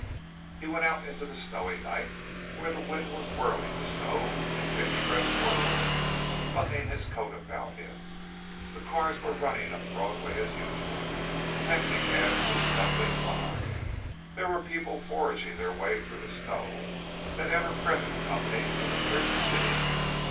He went out into the snowy night where the wind was whirling the snow in picturesque whirls, buttoning his coat about him. The cars were running up Broadway as usual. Taxicabs were scuttling by. There were people forging their way through the snow, that ever present company of a great city.